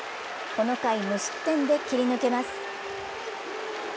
この回、無失点で切り抜けます。